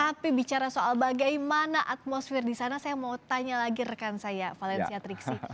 tapi bicara soal bagaimana atmosfer di sana saya mau tanya lagi rekan saya valencia triksi